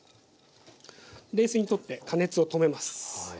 冷水にとって加熱を止めます。